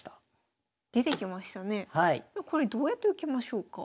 これどうやって受けましょうか。